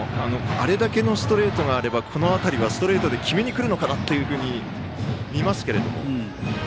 あれだけのストレートがあればストレートで決めにくるのかなというふうに見ますが。